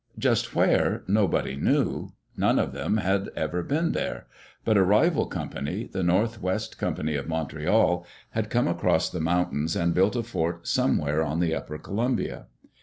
Just where, nobody knew; none of them had ever been there. But a rival company, the North West Company of Montreal, had come across the mountains and built a fort somewhere on the upper Columbia.